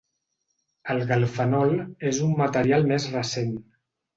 El galfenol és un material més recent.